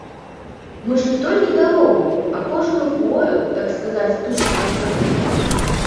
Мы ж не толькі дарогу, а кожную хвою, так сказаць, тутака знаем.